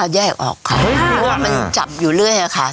แยกออกค่ะมันจับอยู่เรื่อยอ่ะค่ะ